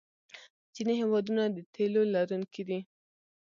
ځینې هېوادونه د تیلو لرونکي دي.